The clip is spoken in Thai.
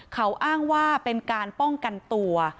เขาอ้างว่าเป็นการป้องกันตัว